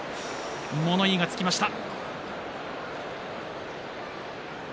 物言いがつきました。